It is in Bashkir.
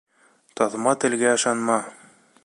Таҫма телгә ышанма.